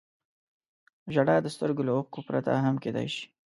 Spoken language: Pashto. • ژړا د سترګو له اوښکو پرته هم کېدای شي.